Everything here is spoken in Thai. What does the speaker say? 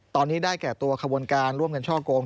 ตอนนี้ได้แก่ตัวขบวนการร่วมกันช่อกง